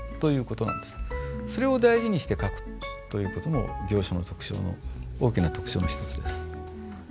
それを大事にして書くという事も行書の大きな特徴の一つです。